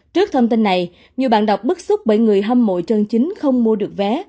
trước thông tin này nhiều bạn đọc bức xúc bởi người hâm mộ chân chính không mua được vé